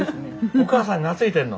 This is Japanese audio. お母さんに懐いてんの？